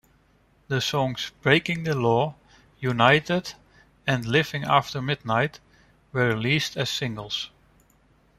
The songs "Breaking the Law", "United", and "Living After Midnight" were released as singles.